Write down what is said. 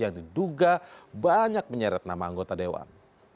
yang diduga banyak menyeret nama anggota dewan